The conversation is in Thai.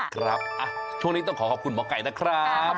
ครับช่วงนี้ต้องขอขอบคุณหมอไก่นะครับ